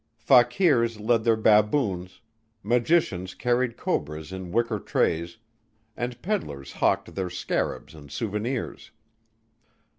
Fakirs led their baboons, magicians carried cobras in wicker trays, and peddlers hawked their scarabs and souvenirs.